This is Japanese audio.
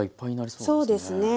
そうですね。